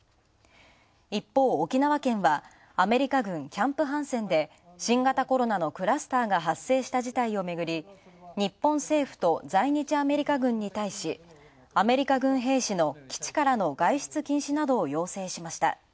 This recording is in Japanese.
一方、沖縄県はアメリカ軍、キャンプ・ハンセンで新型コロナのクラスターが発生した事態をめぐり、日本政府と在日アメリカ軍に対し、アメリカ軍兵士の基地からの外出禁止などを要請しました。